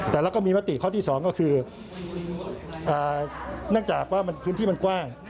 แต่เราก็มีมติข้อที่๒ก็คือเนื่องจากว่าพื้นที่มันกว้าง